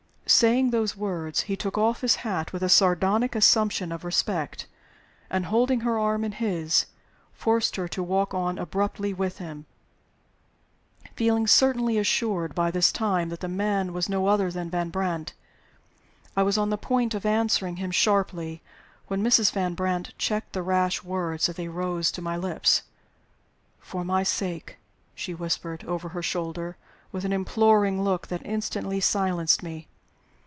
Saying those words, he took off his hat with a sardonic assumption of respect; and, holding her arm in his, forced her to walk on abruptly with him. Feeling certainly assured by this time that the man was no other than Van Brandt, I was on the point of answering him sharply, when Mrs. Van Brandt checked the rash words as they rose to my lips. "For my sake!" she whispered, over her shoulder, with an imploring look that instantly silenced me.